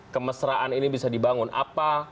kemesraan ini bisa dibangun apa